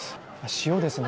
塩ですね。